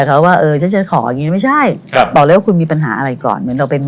เป็นงานต้องหาอะไรก่อนเหมือนเราเป็นหมอ